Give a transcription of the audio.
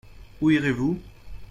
Où irez-vous ?